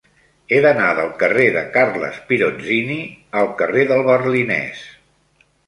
He d'anar del carrer de Carles Pirozzini al carrer del Berlinès.